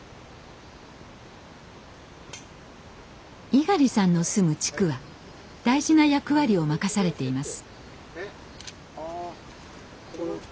猪狩さんの住む地区は大事な役割を任されています。